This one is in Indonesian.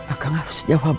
akang harus jawab apa